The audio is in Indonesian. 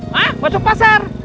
hah masuk pasar